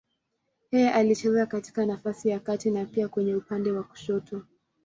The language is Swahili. Yeye alicheza katika nafasi ya kati na pia kwenye upande wa kushoto.